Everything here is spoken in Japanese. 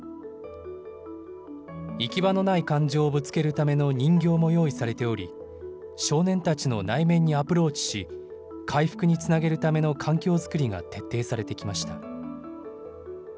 行き場のない感情をぶつけるための人形も用意されており、少年たちの内面にアプローチし、回復につなげるための環境作りが徹底されてきました。